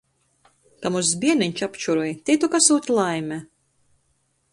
Ka mozs bierneņš apčuroj, tei tok asūt laime.